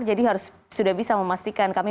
jadi harus sudah bisa memastikan kami